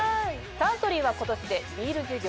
サントリーは今年でビール事業